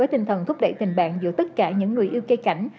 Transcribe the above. tinh thần thúc đẩy tình bạn giữa tất cả những người yêu cây cảnh